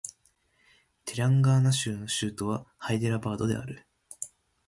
テランガーナ州の州都はハイデラバードである